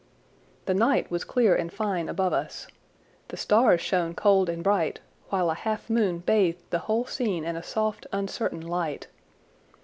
The night was clear and fine above us. The stars shone cold and bright, while a half moon bathed the whole scene in a soft, uncertain light.